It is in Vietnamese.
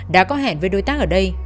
đã có hẹn với đối tác ở đây